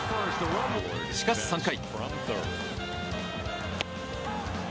しかし３回。